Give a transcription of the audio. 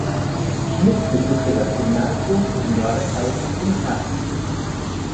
Schmidt besuchte das Gymnasium in Nordhausen im Harz.